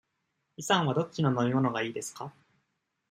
イさんはどっちの飲み物がいいですか。